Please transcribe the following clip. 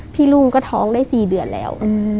ลุงก็ท้องได้๔เดือนแล้ว